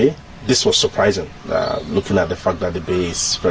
ini sangat mengejutkan melihat bahwa gunung sangat dikawal